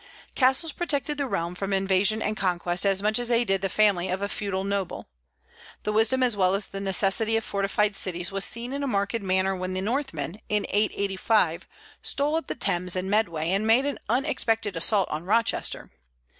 Castles protected the realm from invasion and conquest, as much as they did the family of a feudal noble. The wisdom as well as the necessity of fortified cities was seen in a marked manner when the Northmen, in 885, stole up the Thames and Medway and made an unexpected assault on Rochester.